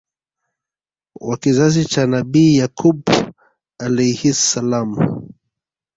wa kizazi cha Nabii Yaquub Alayhis Salaam